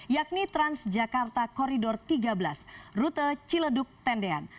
yakni transjakarta koridor tiga belas rute ciledug tendean